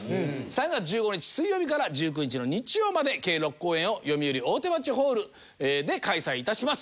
３月１５日水曜日から１９日の日曜まで計６公演をよみうり大手町ホールで開催致します。